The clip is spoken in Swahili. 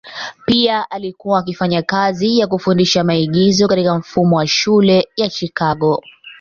Pia alikuwa akifanya kazi ya kufundisha maigizo katika mfumo wa shule ya Chicago.